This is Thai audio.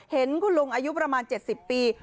เห็นคุณลุงอายุประมาณ๗๐ปี